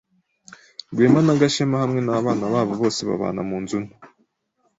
Rwema na Gashema hamwe nabana babo bose babana munzu nto